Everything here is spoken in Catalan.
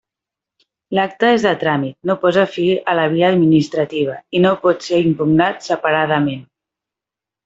L'acte és de tràmit, no posa fi a la via administrativa i no pot ser impugnat separadament.